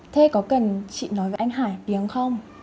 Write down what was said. thế có cần chị nói với anh hải tiếng không